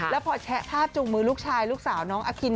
แล้วพอแชะภาพจูงมือลูกชายลูกสาวน้องอคิน